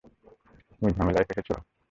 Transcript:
তুমি ঝামেলায় ফেঁসেছো?